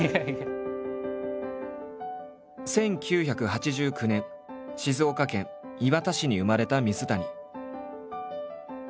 だから１９８９年静岡県磐田市に生まれた水谷。